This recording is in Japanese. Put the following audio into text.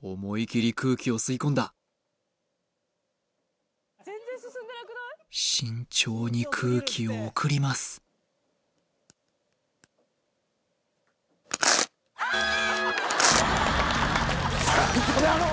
思い切り空気を吸い込んだ慎重に空気を送りますウソだろおい！